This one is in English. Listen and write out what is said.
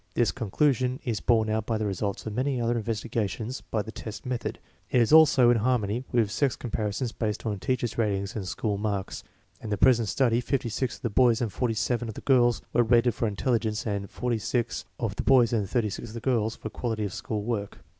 This conclusion is borne out by the results of many other investigations by the test method. It is also in harmony with sex comparisons based on teachers' ratings and school marks. In the present study, 56 of the boys and 47 of the girls were rated for intelligence and 46 of the boys and 36 of the girls for quality of school work.